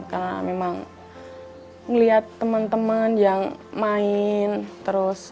karena memang melihat teman teman yang main terus